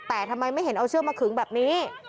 แต่ทำไมไม่เห็นเอาเชือกมาขึงแบบนี้